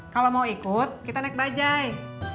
kalau mau ikut kita naik bajai